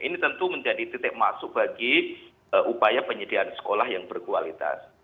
ini tentu menjadi titik masuk bagi upaya penyediaan sekolah yang berkualitas